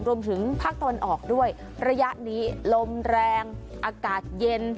รวมถึงภาคตะวันออกด้วยระยะนี้ลมแรงอากาศเย็น